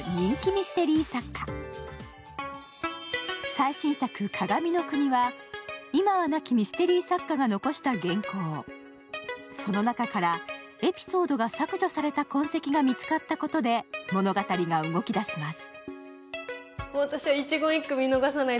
最新作「鏡の国」は、今は亡きミステリー作家が残した原稿、その中からエピソードが削除された痕跡が見つかったことで物語が動き始めます。